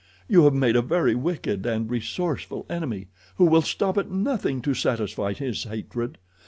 You have made a very wicked and resourceful enemy, who will stop at nothing to satisfy his hatred.